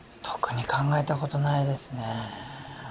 特に考えたことないですね